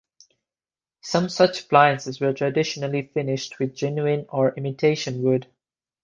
Some such appliances were traditionally finished with genuine or imitation wood.